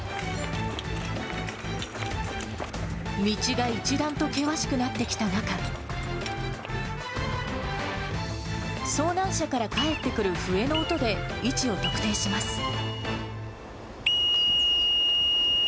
道が一段と険しくなってきた中、遭難者から返ってくる笛の音で、位置を特定します。